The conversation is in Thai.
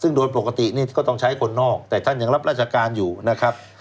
ซึ่งโดยปกตินี่ก็ต้องใช้คนนอกแต่ท่านยังรับราชการอยู่นะครับ